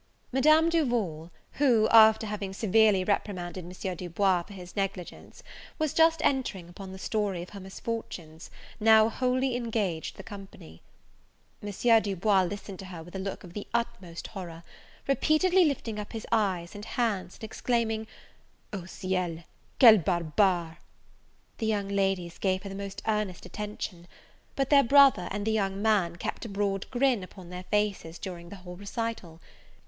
Madame Duval, who, after having severely reprimanded M. Du Bois for his negligence, was just entering upon the story of her misfortunes, now wholly engaged the company. M. Du Bois listened to her with a look of the utmost horror, repeatedly lifting up his eyes and hands, and exclaiming, "O ciel! quel barbare!" The young ladies gave her the most earnest attention; but their brother, and the young man, kept a broad grin upon their faces during the whole recital.